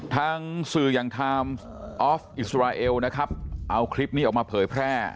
ทางสื่ออย่างไทม์ออฟอิสราเอลนะครับเอาคลิปนี้ออกมาเผยแพร่